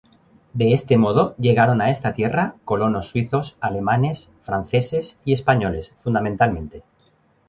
De este modo, llegaron a esta tierra colonos suizos, alemanes, franceses y españoles, fundamentalmente.